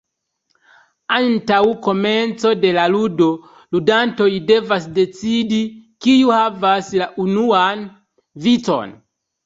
Antaŭ komenco de la ludo, ludantoj devas decidi, kiu havas la unuan vicon.